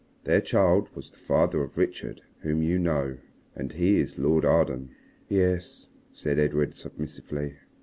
Their child was the father of Richard whom you know. And he is Lord Arden." "Yes," said Edred submissively.